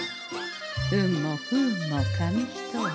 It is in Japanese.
運も不運も紙一重。